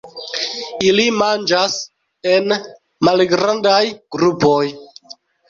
Ili manĝas en malgrandaj grupoj.